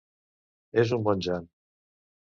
És un bon jan!